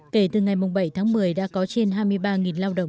kể từ ngày bảy tháng một mươi đã có trên hai mươi ba lao động